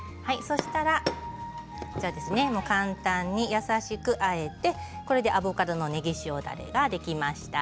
簡単に優しくあえてこれでアボカドのねぎ塩だれができました。